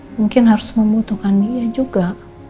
mungkin harus membutuhkan dia juga